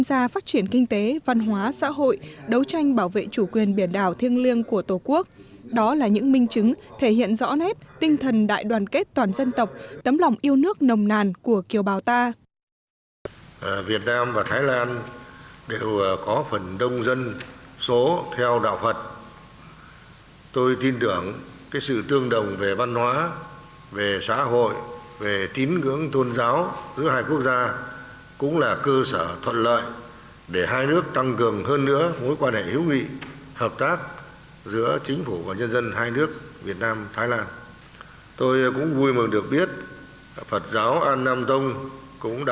chủ tịch nước trần đại quang đánh giá cao kiều bào việt nam ở thái lan nói riêng cộng đồng người việt nam ở nước ngoài nói chung